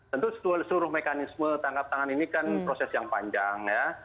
tentu seluruh mekanisme tangkap tangan ini kan proses yang panjang ya